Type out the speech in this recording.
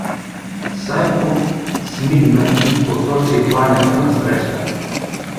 Сайков смигна и посочи банята насреща.